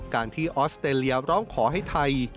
การที่ออสเตรเลียร้องขอให้ไทย